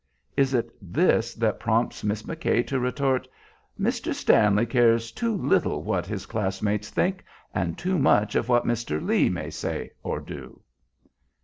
Is it this that prompts Miss McKay to retort? "Mr. Stanley cares too little what his classmates think, and too much of what Mr. Lee may say or do."